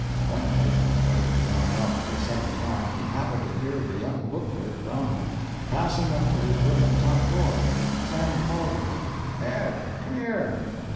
One night, when the pipe had gone out for the second time, he happened to hear the young book clerk, Brownell, passing up to his room on the top floor. Sam called to him: "Ed, come here!"